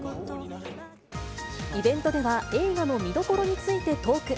イベントでは、映画の見どころについてトーク。